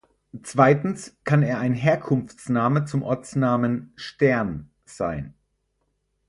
Zweitens kann er ein Herkunftsname zum Ortsnamen "Stern" sein.